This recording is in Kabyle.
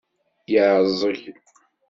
Yeɛẓeg?